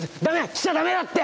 来ちゃ駄目だって。